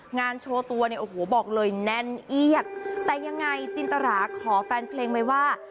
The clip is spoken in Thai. งานโชว์ตัวเนี่ยโอ้โหบอกเลยแน่นเอียดแต่ยังไงจินตราขอแฟนเพลงไว้ว่า